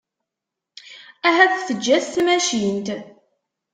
Ahat teǧǧa-t tmacint.